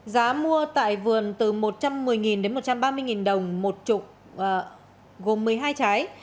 giá mua tại vườn từ một trăm một mươi một trăm ba mươi đồng một trục gồm một mươi hai trái